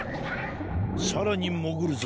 さらにもぐるぞ。